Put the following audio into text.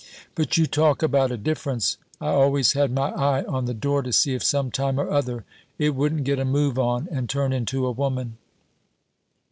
But you talk about a difference! I always had my eye on the door to see if some time or other it wouldn't get a move on and turn into a woman.